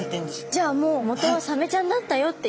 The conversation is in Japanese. じゃあもう元はサメちゃんだったよっていう。